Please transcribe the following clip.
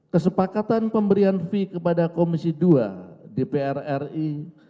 kesepakatan pemberian fee kepada komisi dua dpr ri